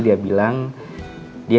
udah ke kamar dulu